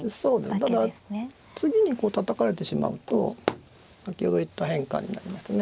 ただ次にこうたたかれてしまうと先ほど言った変化になりますね。